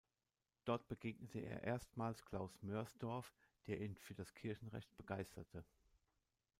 Dort begegnete er erstmals Klaus Mörsdorf, der ihn für das Kirchenrecht begeisterte.